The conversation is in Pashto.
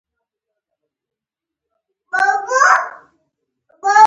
هيڅ داسي ټولنه شتون نه لري چي هغه دي ټولنيز درځونه ونلري